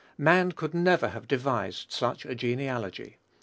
Man could never have devised such a genealogy.